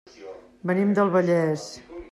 Venim de Vallés.